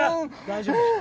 大丈夫だ！